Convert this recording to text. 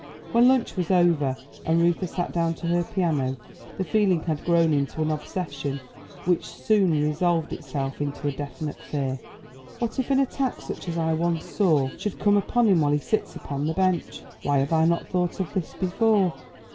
When lunch was over and Reuther sat down to her piano, the feeling had grown into an obsession, which soon resolved itself into a definite fear. "What if an attack, such as I once saw, should come upon him while he sits upon the bench! Why have I not thought of this before?